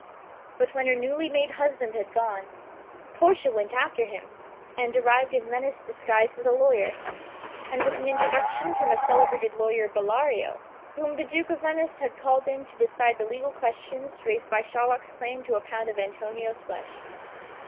But when her newly made husband had gone, Portia went after him, and arrived in Venice disguised as a lawyer, and with an in troduction from a celebrated lawyer Bellario, whom the Duke of Venice had called in to decide the legal questions raised by Shy . THE MERCHANT OF VENICE. n lock's claim to a pound of Antonio's flesh.